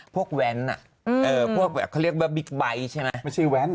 พวกแวนพวกเขาเรียกว่าบิ๊กไบท์ใช่ไหม